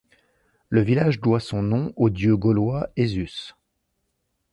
Le village doit son nom au dieu gaulois Ésus.